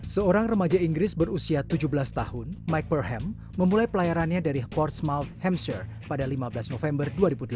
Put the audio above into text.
seorang remaja inggris berusia tujuh belas tahun mike perham memulai pelayarannya dari ports move hamsher pada lima belas november dua ribu delapan belas